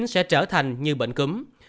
sẽ trở thành như bệnh cúm